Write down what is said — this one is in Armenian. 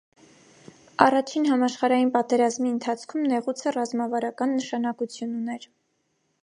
Առաջին համաշխարհային պատերազմի ընթացքում նեղուցը ռազմավարական նշանակություն ուներ։